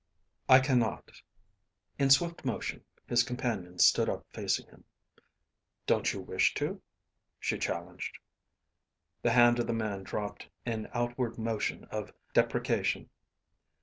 "I cannot." In swift motion his companion stood up facing him. "Don't you wish to?" she challenged. The hand of the man dropped in outward motion of deprecation.